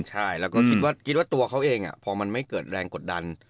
ใช่แล้วก็คิดว่าตัวเขาเองพอมันไม่เกิดแรงกดดัน